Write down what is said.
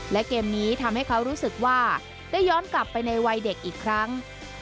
และเกมนี้ทำให้เขารู้สึกว่าได้ย้อนกลับไปในวัยเด็กอีกครั้ง